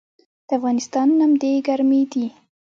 د افغانستان نمدې ګرمې دي